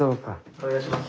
お願いします。